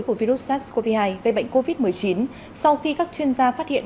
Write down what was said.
của virus sars cov hai gây bệnh covid một mươi chín sau khi các chuyên gia phát hiện